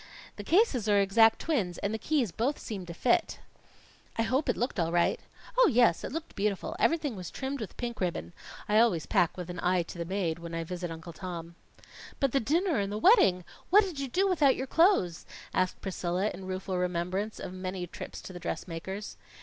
The cases are exact twins, and the keys both seem to fit." "I hope it looked all right?" "Oh, yes, it looked beautiful. Everything was trimmed with pink ribbon. I always pack with an eye to the maid, when I visit Uncle Tom." "But the dinner and the wedding? What did you do without your clothes?" asked Priscilla, in rueful remembrance of many trips to the dressmaker's.